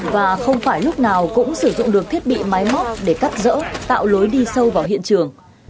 và không phải lúc nào cũng sử dụng được thiết bị máy móc để cắt rỡ tạo lối đi sâu vào hiện trường